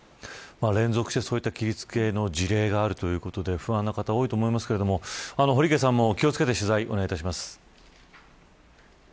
連続して、そういった切りつけの事例があるということで不安な方多いと思いますが堀池さんも気を付けて取材をお願いいたします。